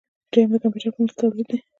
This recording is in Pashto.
دریم د کمپیوټر په مرسته تولید دی.